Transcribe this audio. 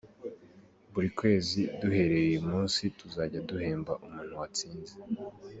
Buri kwezi, duhereye uyu munsi tuzajya duhemba umuntu watsinze.